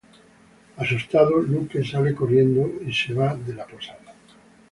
Asustado, Luke sale corriendo y se va de la posada.